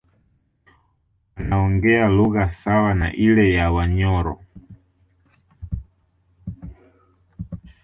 Wanaongea lugha sawa na ile ya Wanyoro